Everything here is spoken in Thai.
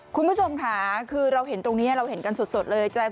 คุณผู้ชมค่ะคือเราเห็นตรงนี้เราเห็นกันสดเลย